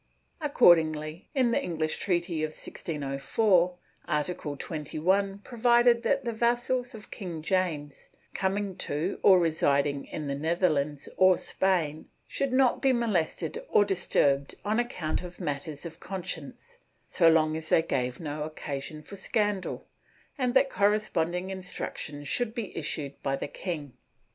Accordingly, in the Enghsh treaty of 1604, Article 21 provided that the vassals of King James, coming to or residing in the Netherlands or Spain, should not be molested or disturbed on account of matters of conscience, so long as they gave no occasion for scandal, and that corresponding instructions should be issued by the king.